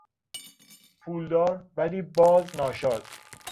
پولدار ولی باز ناشاد